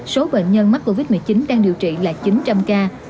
số bệnh nhân mắc covid một mươi chín đang điều trị là chín trăm linh ca